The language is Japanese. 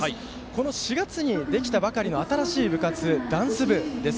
この４月にできたばかりの新しい部活、ダンス部です。